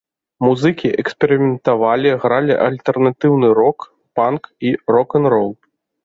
Музыкі эксперыментавалі, гралі альтэрнатыўны рок, панк і рок-н-рол.